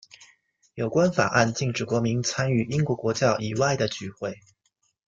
有关法案禁止国民参与英国国教以外的聚会。